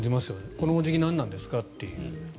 このお辞儀は何なんですかという。